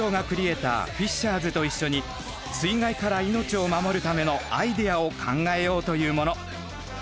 クリエイターフィッシャーズと一緒に水害から命を守るためのアイデアを考えようというもの。